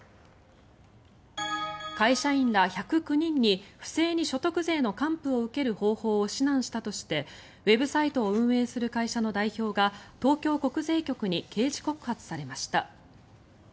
会社員ら１０９人に不正の所得税の還付を受ける方法を指南したとしてウェブサイトを運営する会社の代表が東京国税局に刑事告発されました。